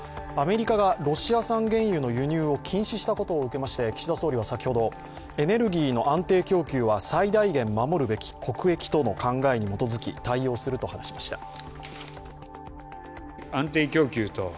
アメリカがロシア産原油の輸入を禁止したことを受けまして、岸田総理は先ほど、エネルギーの安定供給は最大限守るべき、国益との考えに基づき対応すると話しました。